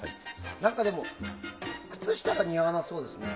何か靴下が似合わなそうですね。